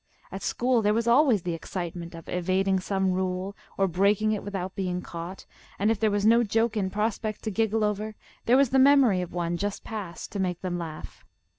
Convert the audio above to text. At school there was always the excitement of evading some rule or breaking it without being caught; and if there was no joke in prospect to giggle over, there was the memory of one just passed to make them laugh.